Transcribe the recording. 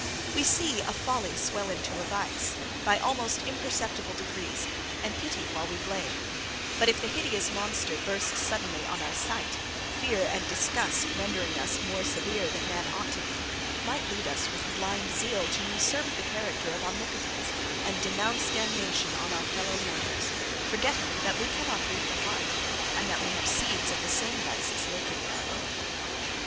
We see a folly swell into a vice, by almost imperceptible degrees, and pity while we blame; but, if the hideous monster burst suddenly on our sight, fear and disgust rendering us more severe than man ought to be, might lead us with blind zeal to usurp the character of omnipotence, and denounce damnation on our fellow mortals, forgetting that we cannot read the heart, and that we have seeds of the same vices lurking in our own.